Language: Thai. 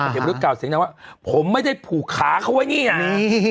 พ่อเด็กประยุทธ์กล่าวเสียงได้ว่าผมไม่ได้ผูกขาเข้าไว้นี่น่ะ